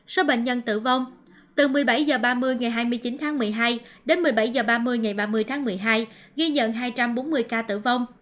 số bệnh nhân tử vong từ một mươi bảy h ba mươi ngày hai mươi chín tháng một mươi hai đến một mươi bảy h ba mươi ngày ba mươi tháng một mươi hai ghi nhận hai trăm bốn mươi ca tử vong